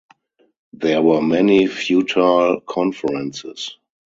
There were many futile conferences.